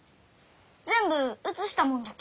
全部写したもんじゃき。